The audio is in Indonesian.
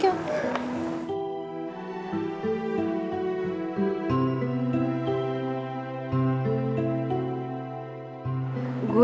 biar lo yakin sama gue